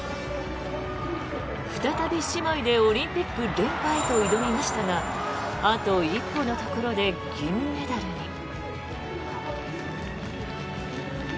再び姉妹でオリンピック連覇へと挑みましたがあと一歩のところで銀メダルに。